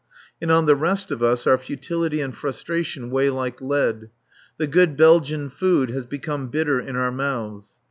And on the rest of us our futility and frustration weigh like lead. The good Belgian food has become bitter in our mouths.